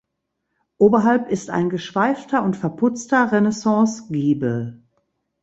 Oberhalb ist ein geschweifter und verputzter Renaissancegiebel.